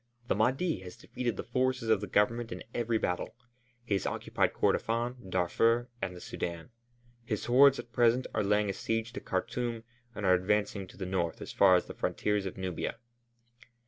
The Mahdi has defeated the forces of the Government in every battle. He has occupied Kordofân, Darfur, and the Sudân; his hordes at present are laying a siege to Khartûm and are advancing to the north as far as the frontiers of Nubia."